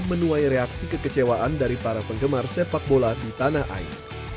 menuai reaksi kekecewaan dari para penggemar sepak bola di tanah air